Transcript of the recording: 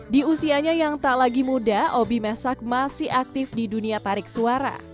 di usianya yang tak lagi muda obi mesak masih aktif di dunia tarik suara